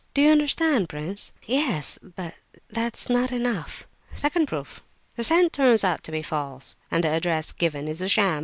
Do you understand, prince?" "Oh yes, but that is not enough." "Second proof. The scent turns out to be false, and the address given is a sham.